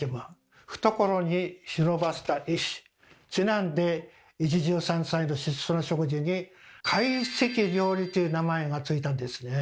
「懐に忍ばせた石」にちなんで一汁三菜の質素な食事に「懐石料理」という名前が付いたんですね。